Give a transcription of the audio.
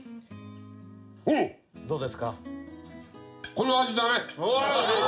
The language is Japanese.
どうですか？